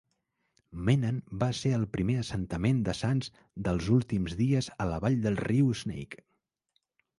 Menan va ser el primer assentament de sants dels últims dies a la vall del riu Snake.